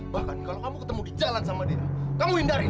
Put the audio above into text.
bahkan kalau kamu ketemu di jalan sama dia kamu hindari